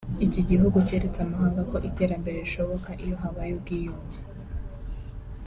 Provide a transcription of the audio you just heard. Iki gihugu cyeretse amahanga ko iterambere rishoboka iyo habayeho ubwiyunge